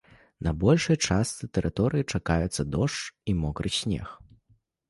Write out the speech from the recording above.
На большай частцы тэрыторыі чакаюцца дождж і мокры снег.